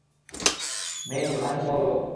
মেই, ওনাকে বলো।